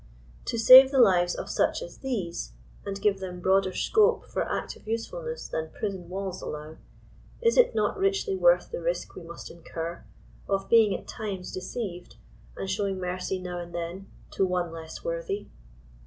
To save the lives of such as these, and give them broader scope for active usefulness than prison walls allow, is it not richly worth the risk we must incur, of being at times deceived, and showing mercy now and then to one less worthy